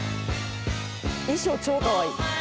衣装超かわいい。